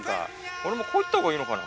俺もこう行ったほうがいいのかな。